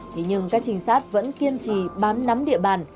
thế nhưng các trinh sát vẫn kiên trì bám nắm địa bàn